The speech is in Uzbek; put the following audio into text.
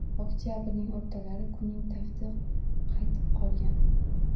Oktyabrning oʻrtalari. Kunning tafti qaytib qolgan.